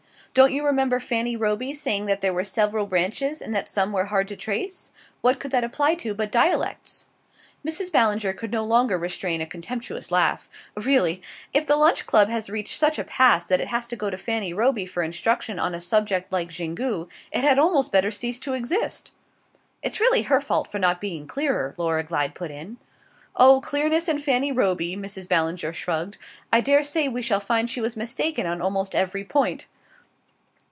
Don't you remember Fanny Roby's saying that there were several branches, and that some were hard to trace? What could that apply to but dialects?" Mrs. Ballinger could no longer restrain a contemptuous laugh. "Really, if the Lunch Club has reached such a pass that it has to go to Fanny Roby for instruction on a subject like Xingu, it had almost better cease to exist!" "It's really her fault for not being clearer," Laura Glyde put in. "Oh, clearness and Fanny Roby!" Mrs. Ballinger shrugged. "I daresay we shall find she was mistaken on almost every point."